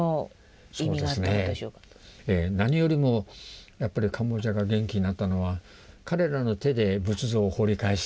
何よりもやっぱりカンボジアが元気になったのは彼らの手で仏像を掘り返したという。